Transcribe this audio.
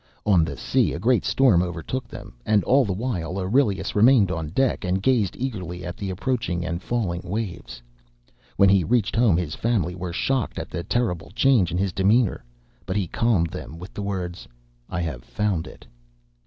On the sea a great storm overtook them, and all the while Aurelius remained on deck and gazed eagerly at the approaching and falling waves. When he reached home his family were shocked at the terrible change in his demeanour, but he calmed them with the words: "I have found it!"